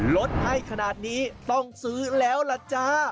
ลดให้ขนาดนี้ต้องซื้อแล้วล่ะจ๊ะ